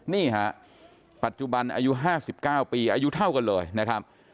นี่ฮะปัจจุบันอายุ๕๙ปีอายุเท่ากันเลยนะครับ